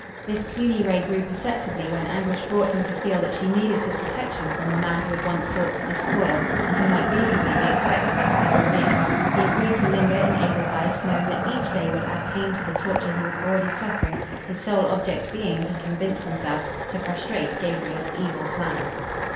This puny ray grew perceptibly when Anguish brought him to feel that she needed his protection from the man who had once sought to despoil and who might reasonably be expected to persevere. He agreed to linger in Edelweiss, knowing that each day would add pain to the torture he was already suffering, his sole object being, he convinced himself, to frustrate Gabriel's evil plans.